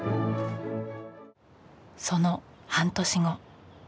その半年後。